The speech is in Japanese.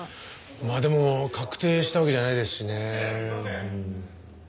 まあでも確定したわけじゃないですしね。